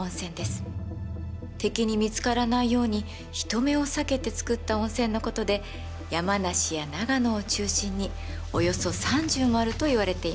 敵に見つからないように人目を避けてつくった温泉のことで山梨や長野を中心におよそ３０もあるといわれています。